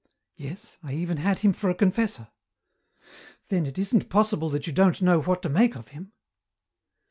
"Yes, I even had him for a confessor." "Then it isn't possible that you don't know what to make of him?"